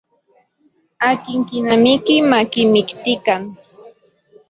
Akin kinamiki makimiktikan.